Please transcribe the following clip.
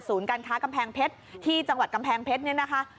การค้ากำแพงเพชรที่จังหวัดกำแพงเพชรเนี่ยนะคะ